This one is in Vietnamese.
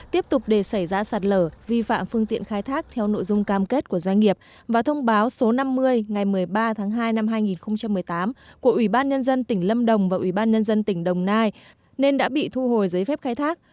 tiếp tục để xảy ra sạt lở vi phạm phương tiện khai thác theo nội dung cam kết của doanh nghiệp và thông báo số năm mươi ngày một mươi ba tháng hai năm hai nghìn một mươi tám của ủy ban nhân dân tỉnh lâm đồng và ủy ban nhân dân tỉnh đồng nai nên đã bị thu hồi giấy phép khai thác